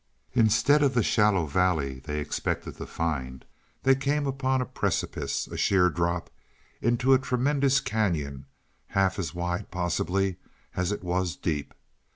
Instead of the shallow valley they expected to find, they came upon a precipice a sheer drop into a tremendous cañon, half as wide possibly as it was deep.